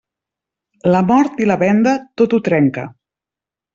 La mort i la venda, tot ho trenca.